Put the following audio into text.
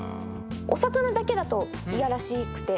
お魚だけだと嫌らしくて。